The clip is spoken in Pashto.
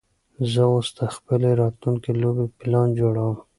زه اوس د خپلې راتلونکې لوبې پلان جوړوم.